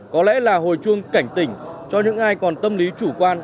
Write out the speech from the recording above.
có lẽ là hồi chuông cảnh tỉnh cho những ai còn tâm lý chủ quan